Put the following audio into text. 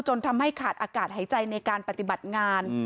จนทำให้ขาดอากาศหายใจในการปฏิบัติงาน